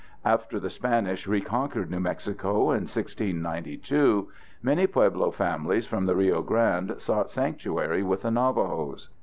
After the Spanish reconquered New Mexico in 1692, many Pueblo families from the Rio Grande sought sanctuary with the Navajos.